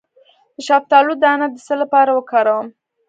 د شفتالو دانه د څه لپاره وکاروم؟